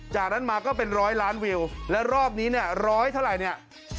จากนั้นมาก็เป็นร้อยล้านวิวและรอบนี้เนี่ยร้อยเท่าไหร่เนี่ย